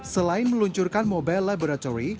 selain meluncurkan mobile laboratory